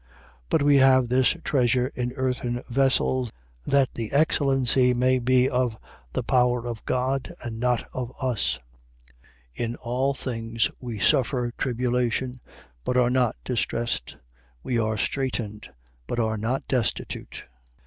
But we have this treasure in earthen vessels, that the excellency may be of the power of God and not of us. 4:8. In all things we suffer tribulation: but are not distressed. We are straitened: but are not destitute. 4:9.